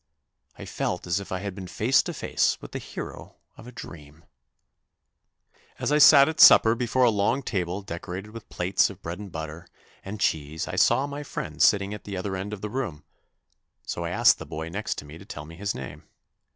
I felt as if I had been face to face with the hero of a dream. As I sat at supper before a long table decorated with plates of bread and butter and cheese I saw my friend sitting at the other end of the room, so I asked the boy next to me to tell me his name.